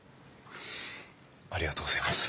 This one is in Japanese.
ありがとうございます。